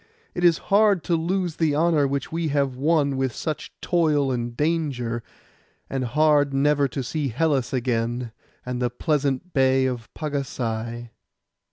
It is hard to lose the honour which we have won with such toil and danger, and hard never to see Hellas again, and the pleasant bay of Pagasai.